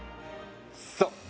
そう！